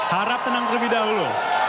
harap tenang terlebih dahulu